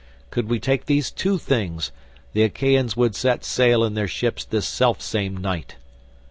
Could we take these two things, the Achaeans would set sail in their ships this self same night."